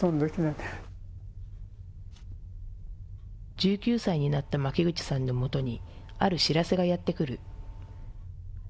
１９歳になった巻口さんのもとにある知らせがやってくる。